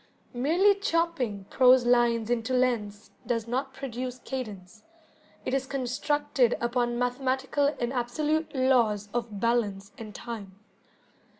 Merely chopping prose lines into lengths does not produce cadence, it is constructed upon mathematical and absolute laws of balance and time.